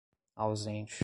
ausente